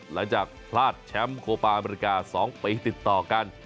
หลังจากพลาดแชมป์โคปาอเมริกา๒ปีติดต่อกัน